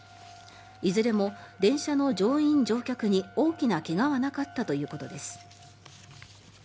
いずれも電車の乗員・乗客に大きな怪我はなかったということです。